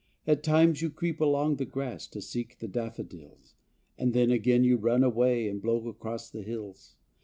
At times you creep along the grass To seek the daffodils, And then again you run away And blow across the hills.